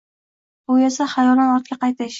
Bu esa xayolan ortga qaytish